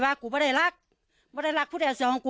ภรรยาก็บอกว่านายเทวีอ้างว่าไม่จริงนายทองม่วนขโมย